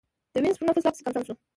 د وینز نفوس لا پسې کم شو.